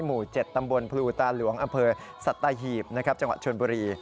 หมู่๗ตำบลภูตาหลวงอำเภอสัตตาหีบจังหวัดชวนบุรี